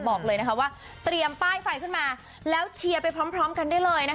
บอกเลยว่าเตรียมป้ายไฟขึ้นมาแล้วเชียร์ไปพร้อมกันได้เลยนะคะ